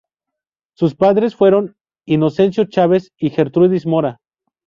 Sus padres fueron Inocencio Chávez y Gertrudis Mora.